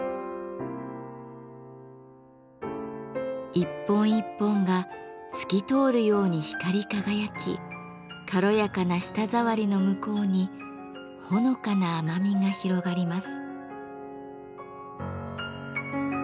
一本一本が透き通るように光り輝き軽やかな舌触りの向こうにほのかな甘みが広がります。